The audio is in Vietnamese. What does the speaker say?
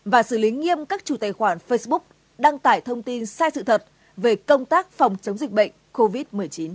và xử lý nghiêm các chủ tài khoản facebook đăng tải thông tin sai sự thật về công tác phòng chống dịch bệnh covid một mươi chín